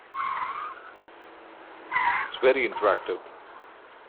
It's very interactive.